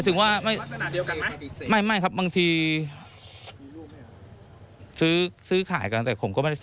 แต่ความคิดฐานในการกระทำของเขา